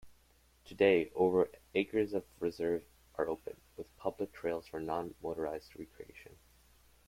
Today, over acres of the reserve are open, with public trails for non-motorized recreation.